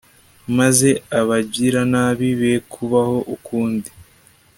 maze abagiranabi bekubaho ukundi